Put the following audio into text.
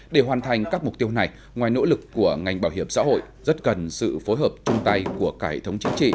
để hoàn thành các mục tiêu này ngoài nỗ lực của ngành bảo hiểm xã hội rất cần sự phối hợp chung tay của cải thống chính trị